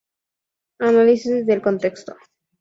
Análisis del contexto.